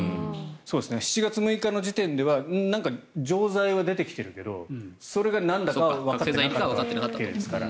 ７月６日の時点では錠剤は出てきているけどそれがなんだかはわかってなかったわけですから。